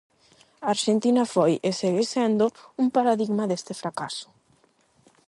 Arxentina foi, e segue sendo, un paradigma deste fracaso.